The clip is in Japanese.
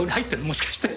もしかして。